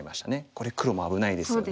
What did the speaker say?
これ黒も危ないですよね。